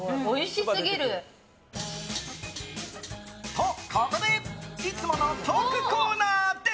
と、ここでいつものトークコーナー。